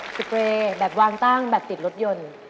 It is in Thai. เปรย์แบบวางตั้งแบบติดรถยนต์